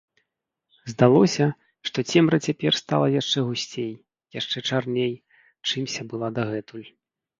Здалося, што цемра цяпер стала яшчэ гусцей, яшчэ чарней, чымся была дагэтуль.